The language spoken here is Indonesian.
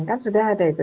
kan sudah ada itu